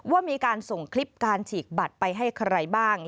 ว่ามีการส่งคลิปการฉีกบัตรไปให้ใครบ้าง